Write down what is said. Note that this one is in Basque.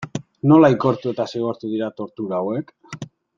Nola ikertu eta zigortu dira tortura hauek?